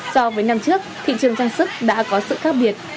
so với năm trước thị trường trang sức đã có sự khác biệt